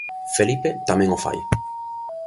Felipe tamén o fai.